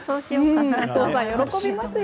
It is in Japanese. お父さんが喜びますよ。